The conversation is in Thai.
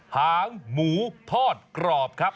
หางหมูทอดกรอบครับ